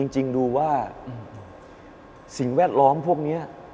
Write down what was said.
จริงดูว่าสิ่งแวดล้อมพวกนี้